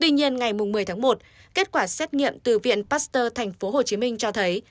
tuy nhiên ngày một mươi tháng một kết quả xét nghiệm từ viện pasteur tp hcm cho thấy